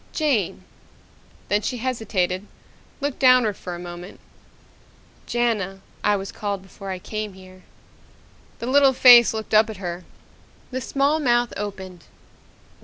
"Jane." Then she hesitated, looked downward for a moment. "Jana, I was called before I came here." The little face looked up at her. The small mouth opened.